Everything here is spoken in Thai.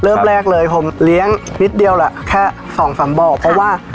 เริ่มแรกเลยผมเลี้ยงนิดเดียวแหละแค่สองสามบ่อเพราะว่า